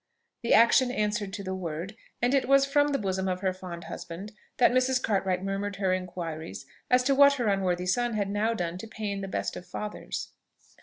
The action answered to the word, and it was from the bosom of her fond husband that Mrs. Cartwright murmured her inquiries as to what her unworthy son had now done to pain the best of fathers.